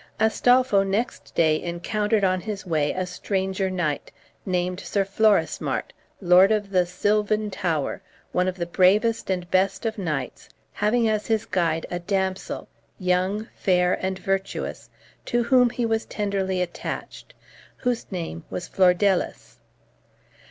Astolpho next day encountered on his way a stranger knight, named Sir Florismart, Lord of the Sylvan Tower, one of the bravest and best of knights, having as his guide a damsel, young, fair, and virtuous, to whom he was tenderly attached, whose name was Flordelis.